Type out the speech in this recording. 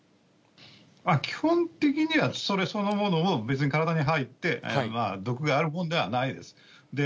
基本的には、それそのものを別に体に入って、毒があるものではないです。